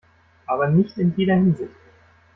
Aber nicht in jeder Hinsicht.